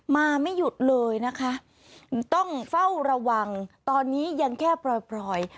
มาไม่หยุดเลยนะคะต้องเฝ้าระวังตอนนี้ยังแค่ปล่อยปล่อย